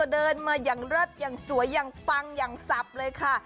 เดินมาอย่างเลิศอย่างสวยอย่างปังอย่างสับเลยค่ะ